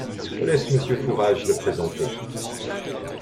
Je laisse Monsieur Fourage le présenter.